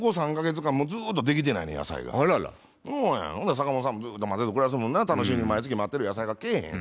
坂本さんもずっと待てど暮らせどもな楽しみに毎月待ってる野菜が来ぇへん。